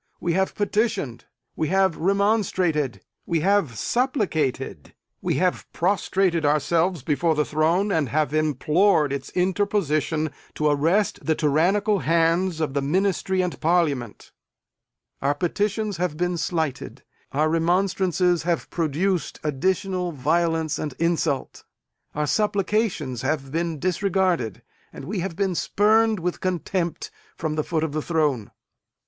We have petitioned; we have remonstrated; we have supplicated; we have prostrated ourselves before the throne, and have implored its interposition to arrest the tyrannical hands of the Ministry and Parliament. Our petitions have been slighted; our remonstrances have produced additional violence and insult; our supplications have been disregarded; and we have been spurned, with contempt, from the foot of the throne!